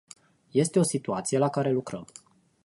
Este o situație la care lucrăm.